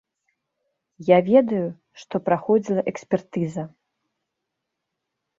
Я ведаю, што праходзіла экспертыза.